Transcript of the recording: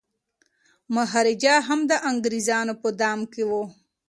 مهاراجا هم د انګریزانو په دام کي و.